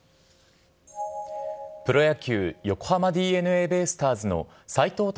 プロ野球・横浜ＤｅＮＡベイスターズの斎藤隆